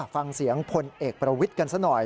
ฟังเสียงพลเอกประวิทย์กันซะหน่อย